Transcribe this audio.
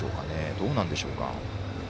どうなんでしょうか。